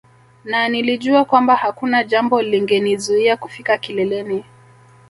Na nilijua kwamba hakuna jambo lingenizuia kufika kileleni